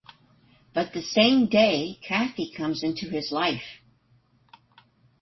But the same day Cathy comes into his life.